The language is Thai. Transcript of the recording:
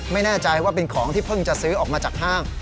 ไม่แน่ใจว่าเป็นของที่เพิ่งจะซื้อออกมาจากห้าง